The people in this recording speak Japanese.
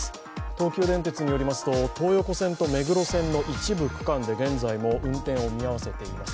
東急電鉄によりますと東横線と目黒線の一部区間で現在も運転を見合わせています。